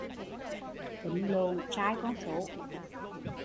Tính lộn sai con số